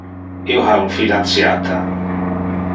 Io ha un fidantiata.